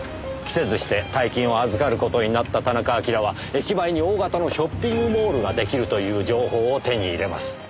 期せずして大金を預かる事になった田中晶は駅前に大型のショッピングモールが出来るという情報を手に入れます。